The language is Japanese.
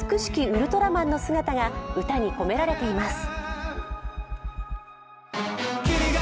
ウルトラマンの姿が歌に込められています。